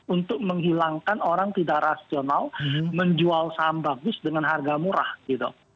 untuk menghilangkan orang tidak rasional menjual saham bagus dengan harga murah gitu